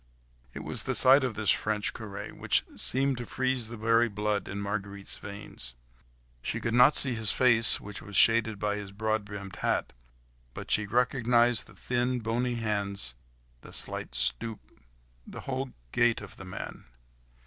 It was the sight of this French curé, which seemed to freeze the very blood in Marguerite's veins. She could not see his face, which was shaded by his broad brimmed hat, but she recognised the thin, bony hands, the slight stoop, the whole gait of the man!